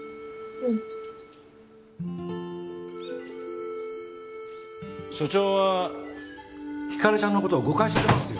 うん署長はひかりちゃんのことを誤解してますよ。